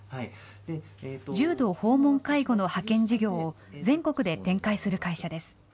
重度訪問介護の派遣事業を全国で展開する会社です。